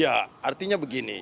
ya artinya begini